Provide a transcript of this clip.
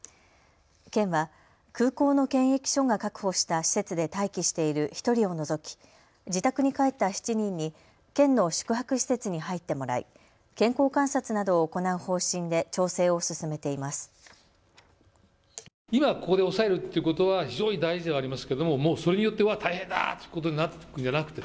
県は空港の検疫所が確保した施設で待機している１人を除き、自宅に帰った７人に県の宿泊施設に入ってもらい健康観察などを行う方針で調整を進めています。